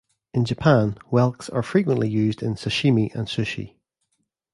In Japan, whelks are frequently used in sashimi and sushi.